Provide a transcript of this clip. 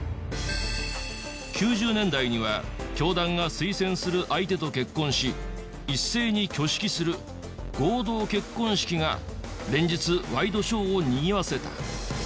９０年代には教団が推薦する相手と結婚し一斉に挙式する合同結婚式が連日ワイドショーをにぎわせた。